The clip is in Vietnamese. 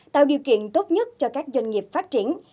tạo điều kiện tốt nhất cho các doanh nghiệp phát triển